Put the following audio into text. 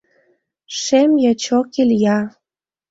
Шем ячок Илья